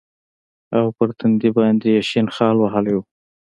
او پر تندي باندې يې شين خال وهلى و.